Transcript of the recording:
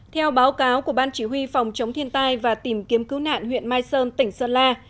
theo báo cáo của ban chỉ huy phòng chống thiên tai và tìm kiếm cứu nạn huyện mai sơn tỉnh sơn la